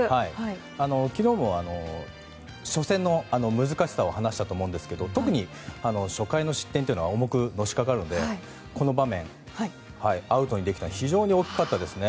昨日も初戦の難しさを話したと思いますが特に初回の失点は重くのしかかるのでこの場面、アウトにできたのが非常に大きかったですね。